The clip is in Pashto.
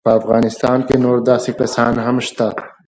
په افغانستان کې نور داسې کسان هم شته.